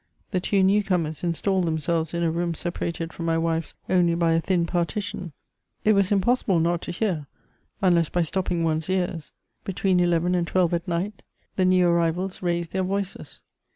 The two new comers installed themselves in a room separated from my wife's only by a thin partition; it was impossible not to hear, unless by stopping one's ears: between eleven and twelve at night the new arrivals raised their voices.